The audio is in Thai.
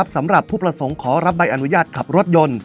สำหรับผู้ประสงค์ขอรับใบอนุญาตขับรถยนต์